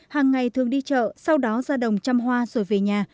hàng ngày thường đi chợ sau đó ra đồng chăm hoa rồi về nhà